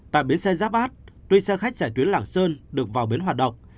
tại bến xe giáp át tuy xe khách chạy tuyến lảng sơn được vào bến hoạt động